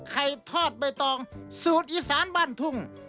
ทอดใบตองสูตรอีสานบ้านทุ่ง